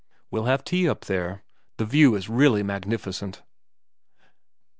' We'll have tea up there. The view is really magnificent.'